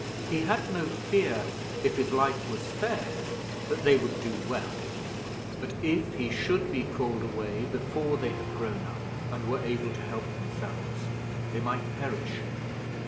He had no fear, if his life was spared, that they would do well; but if he should be called away before they had grown up and were able to help themselves, they might perish.